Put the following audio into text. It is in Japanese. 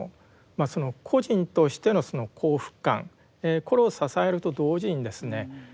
個人としてのその幸福感これを支えると同時にですね